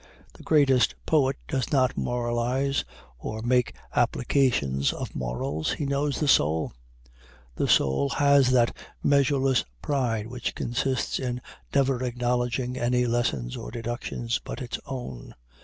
The greatest poet does not moralize or make applications of morals he knows the soul. The soul has that measureless pride which consists in never acknowledging any lessons or deductions but its own.